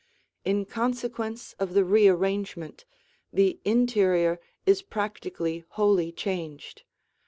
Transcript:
In consequence of the rearrangement, the interior is practically wholly changed.